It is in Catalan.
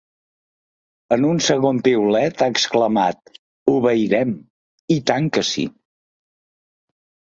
En un segon piulet ha exclamat: Obeirem, i tant que sí.